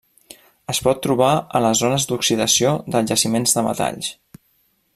Es pot trobar a les zones d'oxidació dels jaciments de metalls.